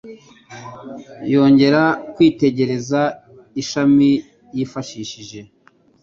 Yongera kwitegereza ishami yifashishije